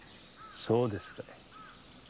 そうですか。